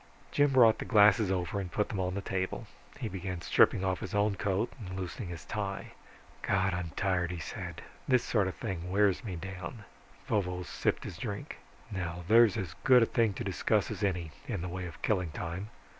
Jim brought the glasses over and put them on the table. He began stripping off his own coat, loosening his tie. "God, I'm tired," he said. "This sort of thing wears me down." Vovo sipped his drink. "Now there's as good a thing to discuss as any, in the way of killing time.